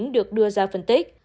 được đưa ra phân tích